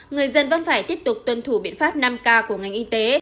người dân vẫn phải tiếp tục tuân thủ biện pháp năm k của ngành y tế